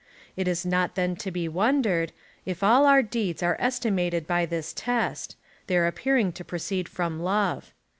It is not then to be wondered, if all our deeds are estimated by this test — their appearing to proceed from love.